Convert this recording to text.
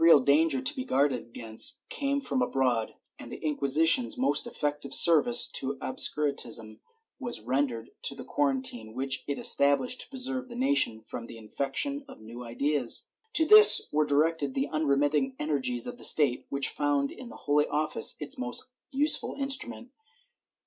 IV] PREVENTION OF SMUGGLING 506 danger to be guarded against came from abroad, and the Inqui sition's most effective service to obscurantism was rendered in the quarantine which it established to preserve the nation from the infection of new ideas. To this were directed the unremitting energies of the state, which found in the Holy Office its most useful instrimient.